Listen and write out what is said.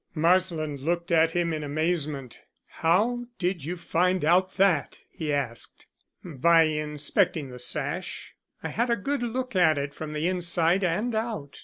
Marsland looked at him in amazement. "How did you find out that?" he asked. "By inspecting the sash. I had a good look at it from the inside and out.